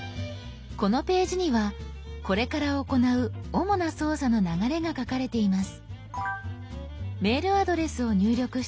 このページにはこれから行う主な操作の流れが書かれています。